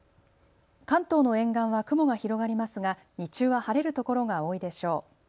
関東の沿岸は雲が広がりますが日中は晴れる所が多いでしょう。